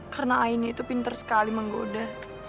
karena aini itu pinter sekali menggoda